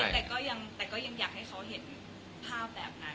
แม้น้อยนี้แต่ก็ยังอยากให้เขาเห็นภาพแบบนั้น